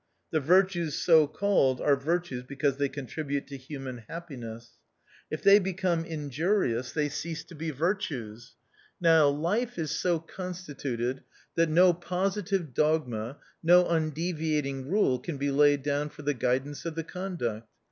The virtues so called are virtues because they contribute to human happiness. If they become injurious they cease to be virtues. Now life is so constituted that no positive dogma, no undeviating rule can be laid down for the guidance of the con duct.